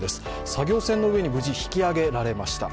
作業船の上に無事、引き揚げられました。